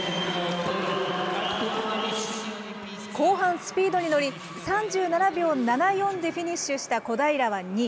後半、スピードに乗り、３７秒７４でフィニッシュした小平は２位。